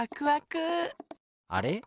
あれ？